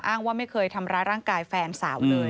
ว่าไม่เคยทำร้ายร่างกายแฟนสาวเลย